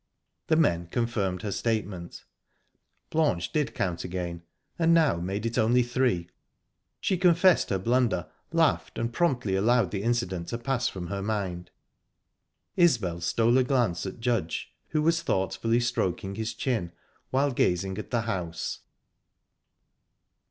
The men confirmed her statement. Blanche did count again, and now made it only three. She confessed her blunder, laughed and promptly allowed the incident to pass from her mind. Isbel stole a glance at Judge, who was thoughtfully stroking his chin, while gazing at the house.